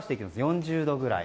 ４０度くらい。